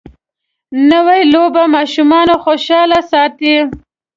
نوې لوبه ماشومان خوشحاله ساتي